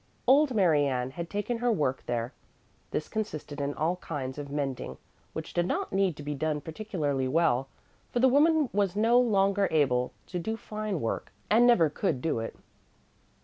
Old Mary Ann had taken her work there. This consisted in all kinds of mending which did not need to be done particularly well, for the woman was no longer able to do fine work, and never could do it.